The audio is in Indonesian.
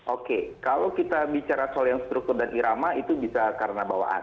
oke kalau kita bicara soal yang struktur dan irama itu bisa karena bawaan